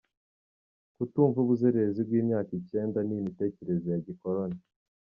Kutumva uburezi bw’imyaka icyenda ni imitekerereze ya gikoroni